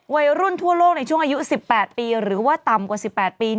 วัยรุ่นทั่วโลกในช่วงอายุ๑๘ปีหรือว่าต่ำกว่า๑๘ปี